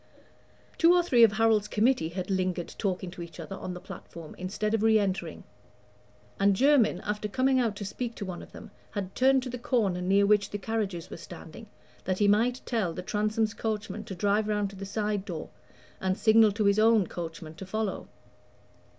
Two or three of Harold's committee had lingered talking to each other on the platform, instead of re entering; and Jermyn, after coming out to speak to one of them, had turned to the corner near which the carriages were standing, that he might tell the Transome's coachman to drive round to the side door and signal to his own coachman to follow.